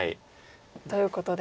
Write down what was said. ということで。